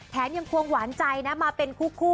ยังควงหวานใจนะมาเป็นคู่